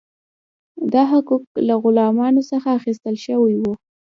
دا حقوق له غلامانو څخه اخیستل شوي وو.